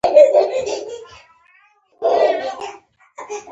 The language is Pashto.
په بیړۍ د اندیښنو کې یمه ناسته